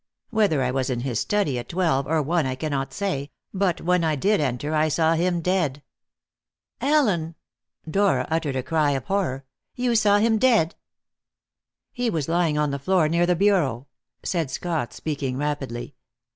Whether I was in his study at twelve or one I cannot say, but when I did enter I saw him dead." "Allen!" Dora uttered a cry of horror. "You saw him dead?" "He was lying on the floor near the bureau," said Scott, speaking rapidly.